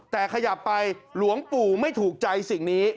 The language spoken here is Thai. แต่ขยับไปหลวงปู่ไม่ถูกใจสิ่งนี้